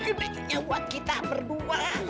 deneknya buat kita berdua